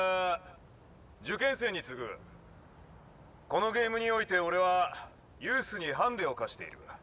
このゲームにおいて俺はユースにハンデを課している」。